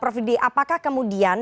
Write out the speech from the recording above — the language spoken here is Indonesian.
prof didi apakah kemudian